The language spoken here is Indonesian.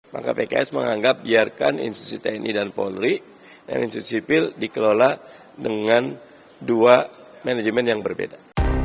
maka pks menganggap biarkan institusi tni dan polri dan institusi dikelola dengan dua manajemen yang berbeda